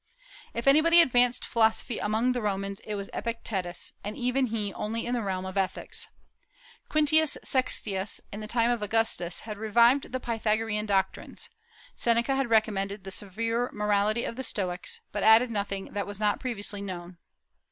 If anybody advanced philosophy among the Romans it was Epictetus, and even he only in the realm of ethics. Quintius Sextius, in the time of Augustus, had revived the Pythagorean doctrines. Seneca had recommended the severe morality of the Stoics, but added nothing that was not previously known.